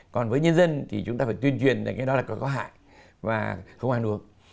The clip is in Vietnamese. còn với nhân dân thì chúng ta phải tuyên truyền rằng cái đó là có hại và không ăn uống